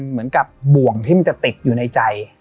เหมือนกับบ่วงที่มันจะติดอยู่ในใจ